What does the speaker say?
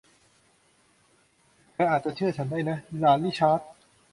เธออาจจะเชื่อฉันได้นะ หลานริชาร์ด